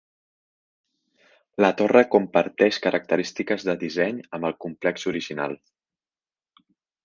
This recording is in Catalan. La torre comparteix característiques de disseny amb el complex original.